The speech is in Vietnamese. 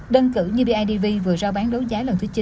đơn cử như bidv vừa rao bán đấu giá lần thứ chín